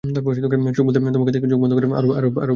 চোখ খুলতেই তোমাকে দেখি, চোখ বন্ধ করলে আরও বেশি করে দেখি।